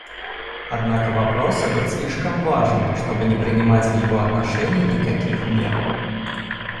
Однако вопрос этот слишком важен, чтобы не принимать в его отношении никаких мер.